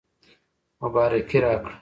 مبارکي راکړه.